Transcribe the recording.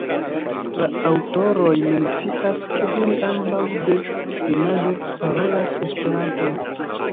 La aŭtoroj mencias, ke ili ambaŭ de junaĝo parolas Esperanton.